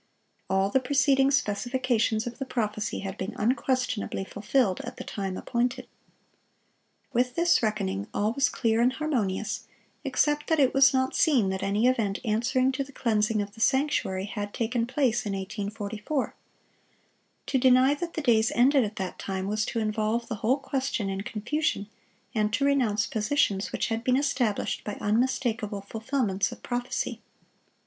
All the preceding specifications of the prophecy had been unquestionably fulfilled at the time appointed. With this reckoning, all was clear and harmonious, except that it was not seen that any event answering to the cleansing of the sanctuary had taken place in 1844. To deny that the days ended at that time was to involve the whole question in confusion, and to renounce positions which had been established by unmistakable fulfilments of prophecy.